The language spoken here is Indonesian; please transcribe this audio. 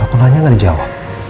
aku tanya gak dijawa